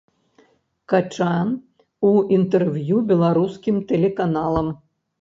Качан у інтэрв'ю беларускім тэлеканалам.